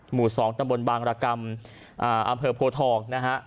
หมู่๒ตำรวจบางรกรรมอำเภอโพธองนะครับ